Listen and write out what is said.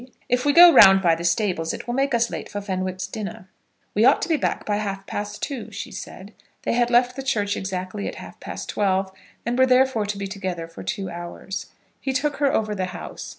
"If we go round by the stables it will make us late for Fenwick's dinner." "We ought to be back by half past two," she said. They had left the church exactly at half past twelve, and were therefore to be together for two hours. He took her over the house.